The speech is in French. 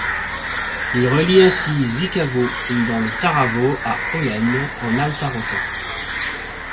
Il relie ainsi Zicavo dans le Taravo à Aullène en Alta Rocca.